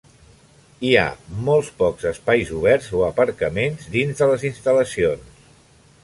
Hi ha molt pocs espais oberts o aparcaments dins de les instal·lacions.